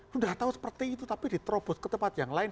sudah tahu seperti itu tapi diterobos ke tempat yang lain